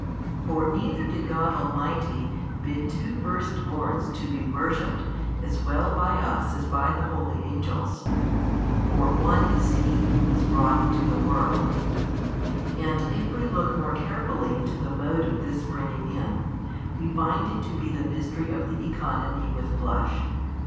For neither did God Almighty bid two first borns to be worshipped as well by us as by the holy Angels (for One is He Who was brought into the world): and if we look more carefully into the mode of this bringing in, we find it to be the mystery of the Economy with flesh.